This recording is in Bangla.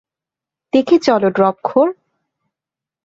দেখে চলো, ড্রপখোর!